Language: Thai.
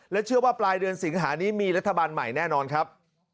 เชื่อว่าปลายเดือนสิงหานี้มีรัฐบาลใหม่แน่นอนครับ